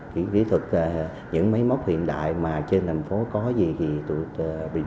kỹ thuật những máy móc hiện đại mà trên thành phố có gì thì tụi ta đều có thể sử dụng